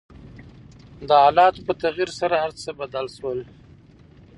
د حالاتو په تغير سره هر څه بدل شول .